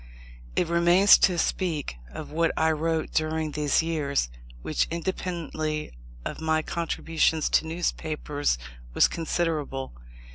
It remains to speak of what I wrote during these years, which, independently of my contributions to newspapers, was considerable.